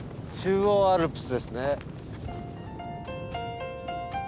中央アルプスですね。